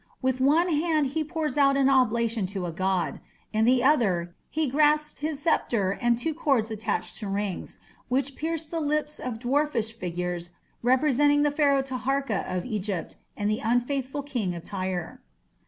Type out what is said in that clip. With one hand he pours out an oblation to a god; in the other he grasps his sceptre and two cords attached to rings, which pierce the lips of dwarfish figures representing the Pharaoh Taharka of Egypt and the unfaithful King of Tyre.